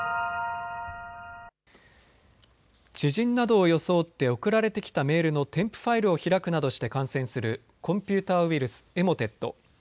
知人などを装って送られてきたメールの添付ファイルを開くなどして感染するコンピューターウイルス、エモテット。